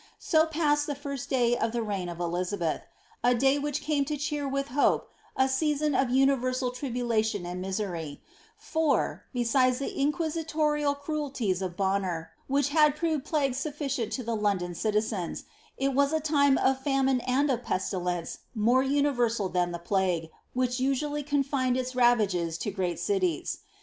So passed the first day of the reign of Elizabeth — a day which came to cheer with hope a season of nniTersal tribalation and misery : for, besides the inquisitorial cruelties of Bonner, which had proved plague sufficient to the London citizens, it was a time of faoiine and of pestilence more universal than the plague, which usually con fined its ravages to great cities.